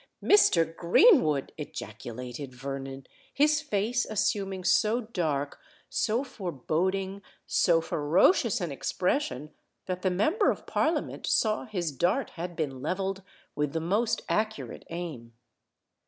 "Mr. Greenwood!" ejaculated Vernon, his face assuming so dark—so foreboding—so ferocious an expression that the Member of Parliament saw his dart had been levelled with the most accurate aim.